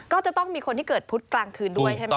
ก็จะต้องมีคนที่เกิดพุธกลางคืนด้วยใช่ไหม